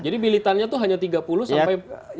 jadi militannya itu hanya tiga puluh sampai